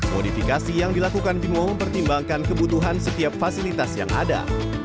modifikasi yang dilakukan bimo mempertimbangkan kebutuhan setiap fasilitas yang ada